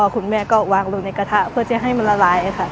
คุณแม่ก็วางลงในกระทะเพื่อจะให้มันละลายค่ะ